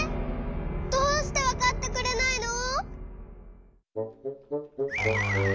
どうしてわかってくれないの！？